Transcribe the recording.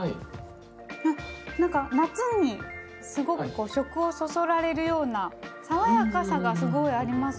何か夏にすごく食をそそられるようなさわやかさがすごいありますね。